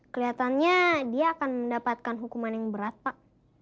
kelihatannya dia akan mendapatkan hukuman yang berat pak